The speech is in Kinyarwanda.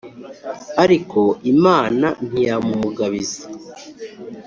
ariko imana ntiyamumugabiza